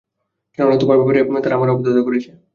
কেননা, তোমার ব্যাপারে তারা আমার অবাধ্যতা করেছে।